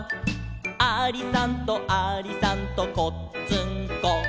「ありさんとありさんとこっつんこ」